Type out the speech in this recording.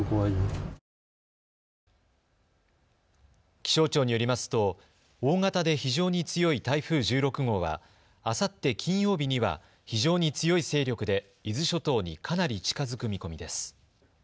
気象庁によりますと大型で非常に強い台風１６号はあさって金曜日には非常に強い勢力で伊豆諸島にかなり近づく見込みです。